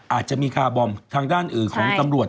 อาจจะมีคาร์บอมทางด้านอื่นของตำรวจ